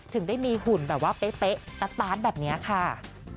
ถึงได้มีหุ่นแบบว่าเป๊ะสตาร์ทแบบนี้ค่ะ